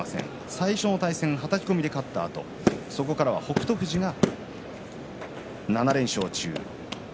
最初の対戦はたき込みで勝ったあとそこからは北勝富士が７連勝中。